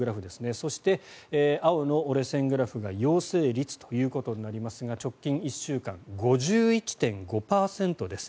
そして、青の折れ線グラフが陽性率ということになりますが直近１週間５１．５％です。